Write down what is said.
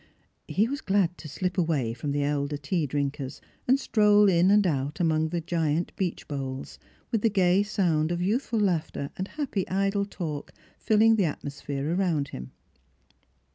He was glad to slip away from the elder tea drinkers, and stroll in and out among the giant beech boles, with the gay sound of youthful laughter and happy idle talk filling the atmosphere around him.